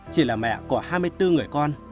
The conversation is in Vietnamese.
chị là mẹ có hai mươi bốn người con